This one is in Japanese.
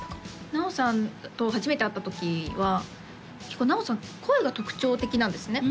ｎａｏさんと初めて会った時は結構ｎａｏさん声が特徴的なんですね